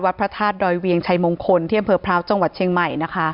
พระธาตุดอยเวียงชัยมงคลที่อำเภอพร้าวจังหวัดเชียงใหม่นะคะ